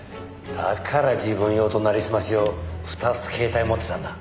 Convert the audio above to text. だから自分用と成りすまし用２つ携帯持ってたんだ。